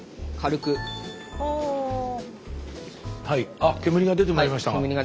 あっ煙が出てまいりましたが。